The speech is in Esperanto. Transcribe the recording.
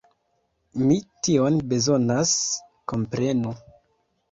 Mi tion bezonas, komprenu.